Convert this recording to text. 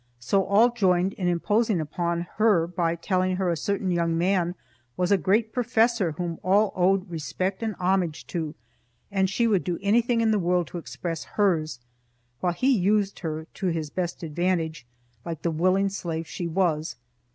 So all joined in imposing upon her by telling her a certain young man was a great professor whom all owed respect and homage to, and she would do anything in the world to express hers, while he used her to his best advantage, like the willing slave she was.